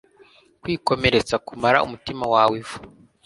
Kwikomeretsa kumara umutima wawe ivu